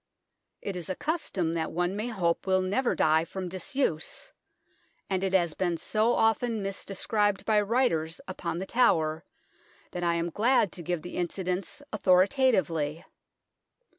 It is a custom that one may hope will never die from disuse, and it has been so often misdescribed by writers upon The Tower that I am glad to give the incidents authoritatively.